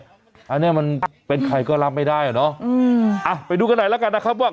อันนี้มันเป็นใครก็รับไม่ได้อ่ะเนอะอืมอ่ะไปดูกันหน่อยแล้วกันนะครับว่า